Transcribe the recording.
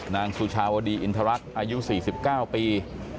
นางสุชาวดีอินทรรักษ์อายุ๔๙ปี